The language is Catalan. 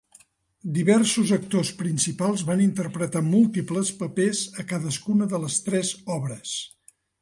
Diversos actors principals van interpretar múltiples papers a cadascuna de les tres obres.